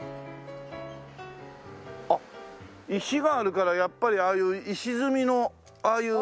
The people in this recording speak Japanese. あっ石があるからやっぱりああいう石積みのああいう塀っていうか。